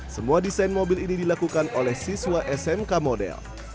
semua desain mobil ini dilakukan oleh siswa smk model